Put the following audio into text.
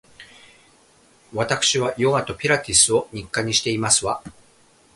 わたくしはヨガとピラティスを日課にしていますわ